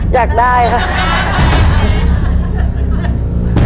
อยากได้ค่ะ